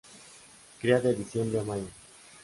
Cría de diciembre a mayo.